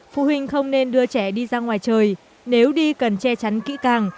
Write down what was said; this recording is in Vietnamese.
phụ huynh không nên đưa trẻ đi ra ngoài trời nếu đi cần che chắn kỹ càng